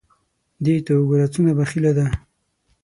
دې ته وګوره څونه بخیله ده !